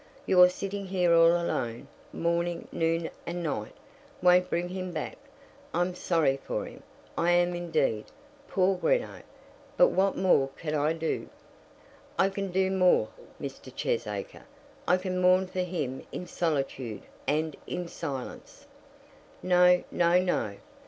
Your sitting here all alone, morning, noon, and night, won't bring him back. I'm sorry for him; I am indeed. Poor Greenow! But what more can I do?" "I can do more, Mr. Cheesacre. I can mourn for him in solitude and in silence." "No, no, no.